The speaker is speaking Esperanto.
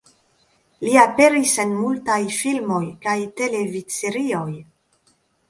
Li aperis en multaj filmoj kaj televidserioj.